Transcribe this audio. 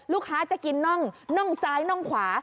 ลูกค้าจะกินน่องน่องซ้ายน่องขวา